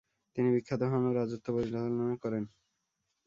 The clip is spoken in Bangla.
তিনি বিখ্যাত হন ও রাজত্ব পরিচালনা করেন।